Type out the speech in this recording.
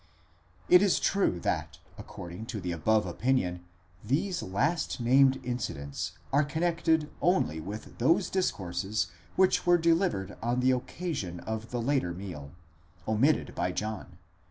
It is true that, according to the above opinion, these last named incidents are connected only with those discourses which were delivered on the occasion of the later meal, omitted by John (xv.